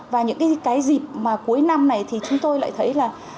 và những cái dịp mà cuối năm này thì chúng tôi lại thấy là